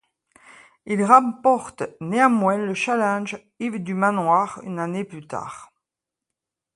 Il remporte néanmoins le challenge Yves du Manoir une année plus tard.